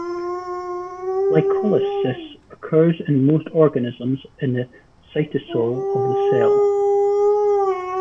Glycolysis occurs in most organisms in the cytosol of the cell.